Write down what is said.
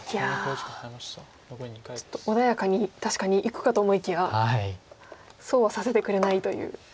ちょっと穏やかに確かにいくかと思いきやそうはさせてくれないという。